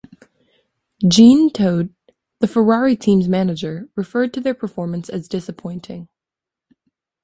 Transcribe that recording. Jean Todt, the Ferrari team's manager, referred to their performance as "disappointing".